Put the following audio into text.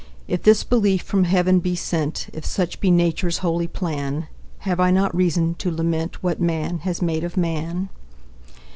If this belief from heaven be sent, If such be Nature's holy plan, Have I not reason to lament What man has made of man?